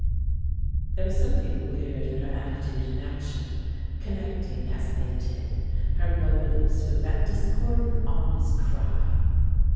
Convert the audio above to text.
There was something weird in her attitude and action, connecting, as they did, her motives with that discordant, ominous cry.